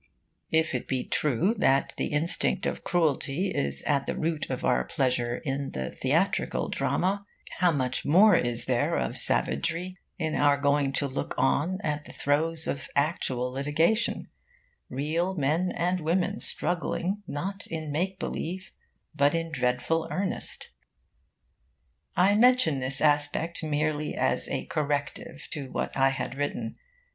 If it be true that the instinct of cruelty is at the root of our pleasure in theatrical drama, how much more is there of savagery in our going to look on at the throes of actual litigation real men and women struggling not in make believe, but in dreadful earnest! I mention this aspect merely as a corrective to what I had written.